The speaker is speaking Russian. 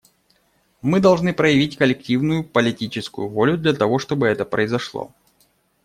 Мы должны проявить коллективную политическую волю для того, чтобы это произошло.